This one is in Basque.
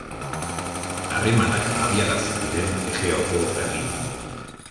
Harremanak abiarazi ziren Egeoko herriekin.